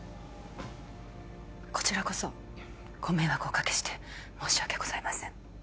こちらこそご迷惑をおかけして申し訳ございません